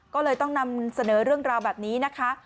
ก็เลยต้องนำเสนอเรื่องราวแบบนี้นะคะ